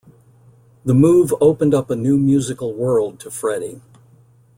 The move opened up a new musical world to Freddie.